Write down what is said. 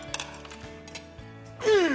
うん！